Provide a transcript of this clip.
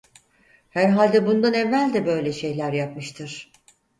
Herhalde bundan evvel de böyle şeyler yapmıştır…